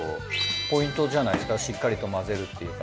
ポイントじゃないですかしっかりと混ぜるっていうか。